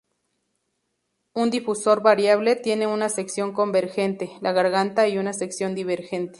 Un difusor variable tiene una sección convergente, la garganta y una sección divergente.